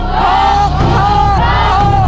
โฆโฆโฆโฆโฆโฆ